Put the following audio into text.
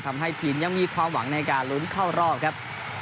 ทำให้ทีมยังมีความหวังในการลุ้นเข้ารอบครับ